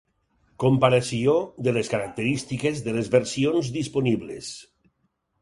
Comparació de les característiques de les versions disponibles.